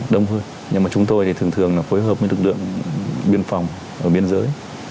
đông hơn nhưng mà chúng tôi thì thường thường là phối hợp với lực lượng biên phòng ở biên giới